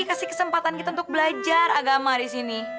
kasih kesempatan kita untuk belajar agama di sini